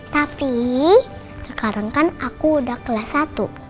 tapi sekarang kan aku udah kelas satu